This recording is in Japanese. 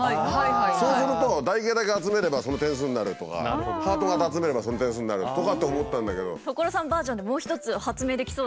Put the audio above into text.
そうすると台形だけ集めればその点数になるとかハート型集めればその点数になるとかって思ったんだけど。